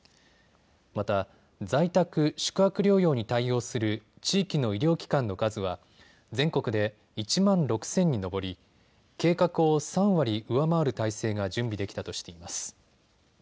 また、在宅・宿泊療養に対応する地域の医療機関の数は全国で１万６０００に上り計画を３割上回る体制が準備できたとしています。